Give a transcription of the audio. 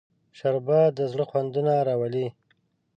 شربت د زړه خوندونه راولي